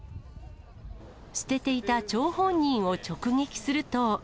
捨てていた張本人を直撃すると。